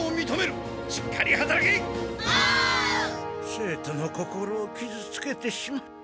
生徒の心をきずつけてしまって。